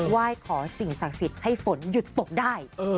ไหว้ขอสิ่งศักดิ์สิทธิ์ให้ฝนหยุดตกได้